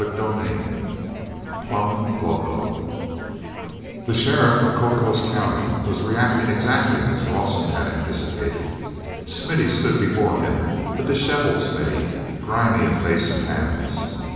CHAPTER X Plumb Loco he sheriff of Cocos County was reacting exactly as Rawson had anticipated. Smithy stood before him, a disheveled Smithy, grimy of face and hands.